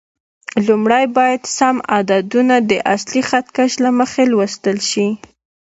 لومړی باید سم عددونه د اصلي خط کش له مخې لوستل شي.